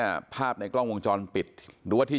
อืมว่านี่คือรถของนางสาวกรรณิการก่อนจะได้ชัดเจนไป